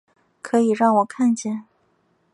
可以让我看见